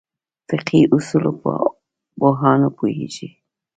فقهې اصولو پوهان پوهېږي.